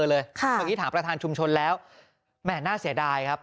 เมื่อกี้ถามประธานชุมชนแล้วแหม่น่าเสียดายครับ